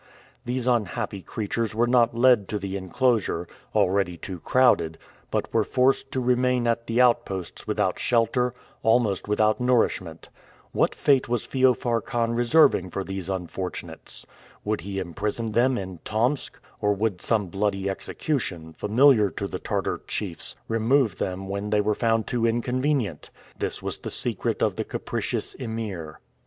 These unhappy creatures were not led to the enclosure already too crowded but were forced to remain at the outposts without shelter, almost without nourishment. What fate was Feofar Khan reserving for these unfortunates? Would he imprison them in Tomsk, or would some bloody execution, familiar to the Tartar chiefs, remove them when they were found too inconvenient? This was the secret of the capricious Emir.